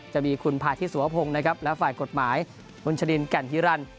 จะมีคุณภาษธิสวพงศ์และฝ่ายกฎหมายมรุนชะดินแก่นฮิรันท์